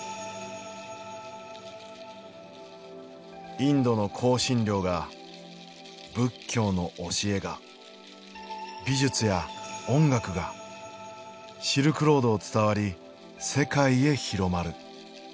インドの香辛料が仏教の教えが美術や音楽がシルクロードを伝わり世界へ広まる。